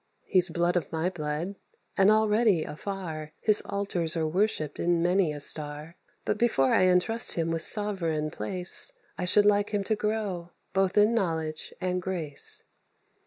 He's blood of my blood, and already, afar, His altars are worshipped in many a star; But before I entrust him with sovereign place, I should like him to grow, both in knowledge and grace."